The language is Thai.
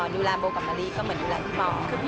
ดูแลโบกับมะลิก็เหมือนดูแลพี่ป๋อ